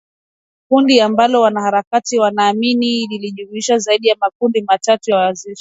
kundi ambalo wanaharakati wanaamini lilijumuisha zaidi ya makundi ma tatu za washia